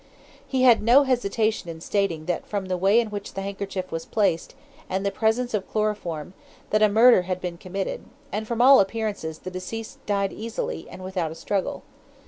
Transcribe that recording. He had no hesitation in stating that from the way in which the handkerchief was placed, and the presence of chloroform, that a murder had been committed, and from all appearances the deceased died easily, and without a struggle.